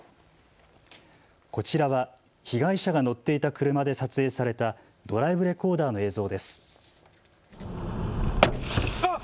こちらは被害者が乗っていた車で撮影されたドライブレコーダーの映像です。